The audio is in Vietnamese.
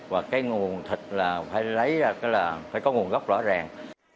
và cái nguồn thịt là phải lấy ra là phải có nguồn gốc rõ ràng